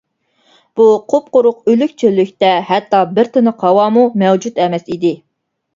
بۇ قۇپقۇرۇق ئۆلۈك چۆللۈكتە ھەتتا بىر تىنىق ھاۋامۇ مەۋجۇت ئەمەس ئىدى.